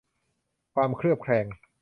ความเคลือบแคลง